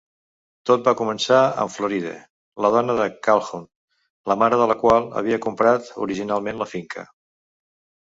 Tot va començar amb Floride, la dona de Calhoun, la mare de la qual havia comprat originalment la finca.